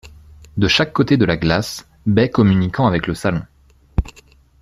De chaque côté de la glace, baies communiquant avec le salon.